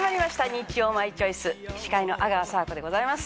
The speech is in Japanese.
『日曜マイチョイス』司会の阿川佐和子でございます。